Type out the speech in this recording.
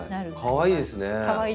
かわいいです。